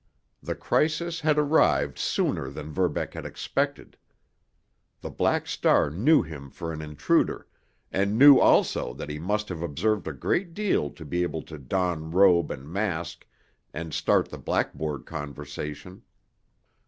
The crisis had arrived sooner than Verbeck had expected. The Black Star knew him for an intruder, and knew also that he must have observed a great deal to be able to don robe and mask and start the blackboard conversation.